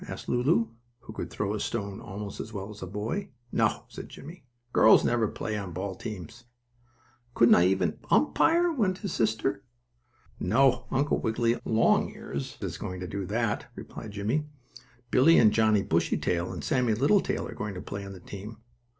asked Lulu, who could throw a stone almost as well as a boy. "No," said Jimmie. "Girls never play on ball teams." "Couldn't I even umpire?" went on his sister. "No, Uncle Wiggily Longears is going to do that," replied Jimmie. "Billie and Johnnie Bushytail and Sammie Littletail are going to play on the team.